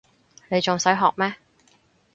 你仲使學咩